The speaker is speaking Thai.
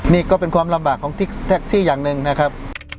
นี่ก็เป็นความลำบากของแท็กซี่อย่างหนึ่งนะครับ